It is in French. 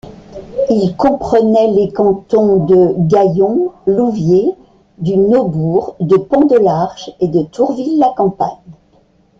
Il comprenait les cantons de Gaillon, Louviers, du Neubourg, de Pont-de-l'Arche et de Tourville-la-Campagne.